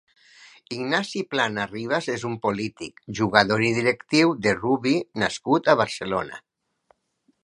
Ignasi Planas Rivas és un polític, jugador i directiu de rugbi nascut a Barcelona.